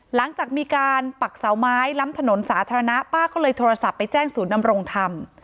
หลังจากมีการปักเสาไม้ล้ำถนนสาธารณะป้าก็เลยโทรศัพท์ไปแจ้งศูนย์นำรงธรรม